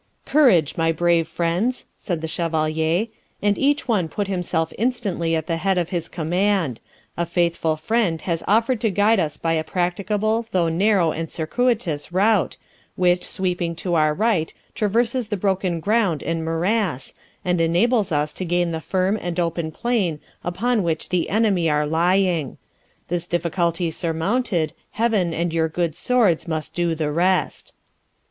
'Courage, my brave friends!' said the Chevalier, 'and each one put himself instantly at the head of his command; a faithful friend [Footnote: See Note 7.] has offered to guide us by a practicable, though narrow and circuitous, route, which, sweeping to our right, traverses the broken ground and morass, and enables us to gain the firm and open plain upon which the enemy are lying. This difficulty surmounted, Heaven and your good swords must do the rest.'